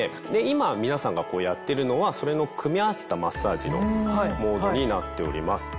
今皆さんがやってるのはそれの組み合わせたマッサージのモードになっております。